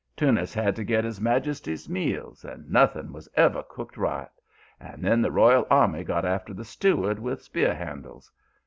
Teunis had to get his majesty's meals, and nothing was ever cooked right; and then the royal army got after the steward with spear handles.